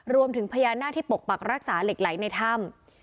รวมถึงพญานาคที่ปกปักรักษาเหล็กไหลในถ้ำ